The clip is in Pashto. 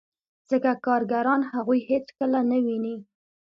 ځکه کارګران هغوی هېڅکله نه ویني